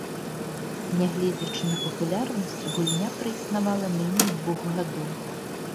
Нягледзячы на папулярнасць, гульня праіснавала меней двух гадоў.